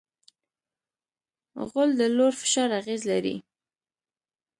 غول د لوړ فشار اغېز لري.